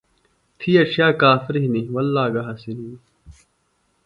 تھی اڇِھیہ کافر ہِنیۡ وللّٰہ گہ حسِین ہِنیۡ۔